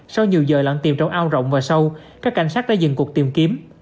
sau nhiều giờ lặn tìm trong ao rộng và sâu các cảnh sát đã dừng cuộc tìm kiếm